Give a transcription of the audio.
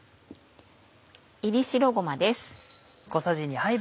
炒り白ごまです。